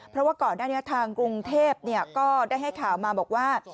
เพราะว่าก่อนหน้านี้ทางกรุงเทพก็ได้ให้ข่าวมาบอกว่า